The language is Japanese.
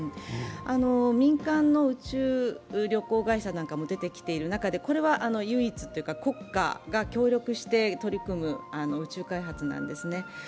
民間の宇宙旅行会社なんかも出てきている中で、これは唯一というか、国家が協力して取り組む宇宙開発なんですね。